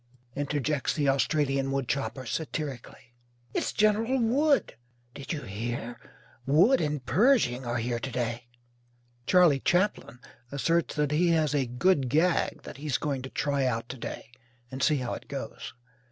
interjects the Australian woodchopper, satirically. "It's General Wood." "Did you hear, Wood and Pershing are here to day?" Charley Chaplin asserts that he has "a good gag" that he's going to try out to day and see how it goes.